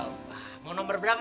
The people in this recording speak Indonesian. hujan terserah dong